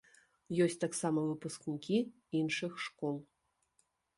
Ёсць таксама выпускнікі іншых школ.